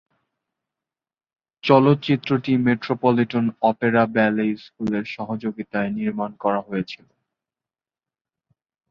চলচ্চিত্রটি Metropolitan Opera Ballet স্কুলের সহযোগিতায় নির্মান করা হয়েছিল।